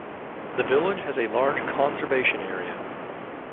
The village has a large Conservation Area.